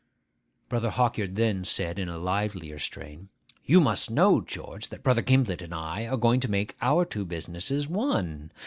Brother Hawkyard then said, in a livelier strain, 'You must know, George, that Brother Gimblet and I are going to make our two businesses one.